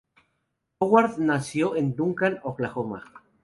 Howard nació en Duncan, Oklahoma.